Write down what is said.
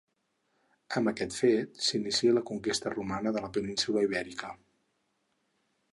Amb aquest fet, s'inicià la conquesta romana de la península Ibèrica.